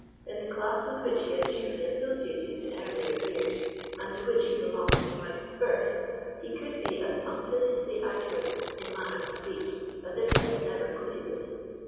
In the class with which he had chiefly associated in earlier years, and to which he belonged in right of birth, he could be as punctiliously accurate in manner and speech, as if he had never quitted it.